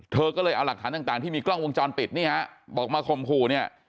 เธอก็เลยเอาหลักฐานต่างที่มีกล้องวงจรปิดนี่ฮะบอกมาข่มขู่เนี่ย